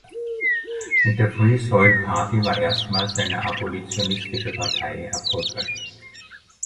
Mit der Free Soil Party war erstmals eine abolitionistische Partei erfolgreich.